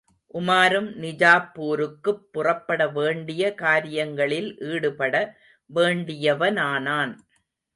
உமாரும் நிஜாப்பூருக்குப் புறப்பட வேண்டிய காரியங்களில் ஈடுபட வேண்டியவனானான்.